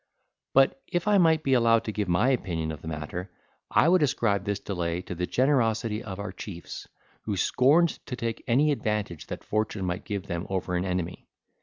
But if I might be allowed to give my opinion of the matter, I would ascribe this delay to the generosity of our chiefs, who scorned to take any advantage that fortune might give them even over an enemy.